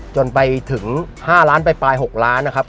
จนไปถึง๕ล้านปลาย๖ล้านนะครับ